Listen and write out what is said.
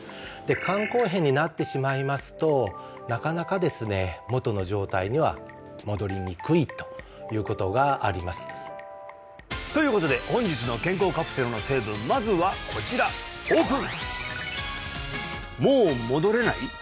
肝硬変になってしまいますとなかなかですね元の状態には戻りにくいということがありますということで本日の健康カプセルの成分まずはこちらオープン！